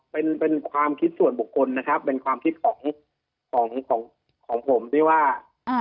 เป็นเป็นความคิดส่วนบุคคลนะครับเป็นความคิดของของผมด้วยว่า